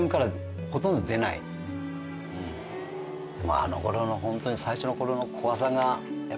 あのころのホントに。